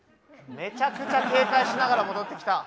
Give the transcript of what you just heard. めちゃくちゃ警戒しながら戻ってきた。